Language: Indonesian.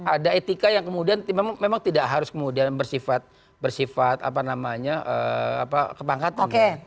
ada etika yang kemudian memang tidak harus kemudian bersifat kepangkatan